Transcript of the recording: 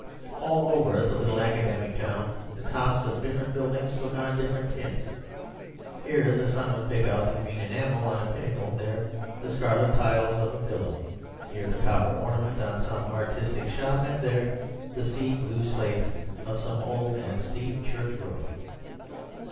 All over the little academic town the tops of different buildings took on different tints: here the sun would pick out the green enameled on a pinnacle, there the scarlet tiles of a villa; here the copper ornament on some artistic shop, and there the sea blue slates of some old and steep church roof.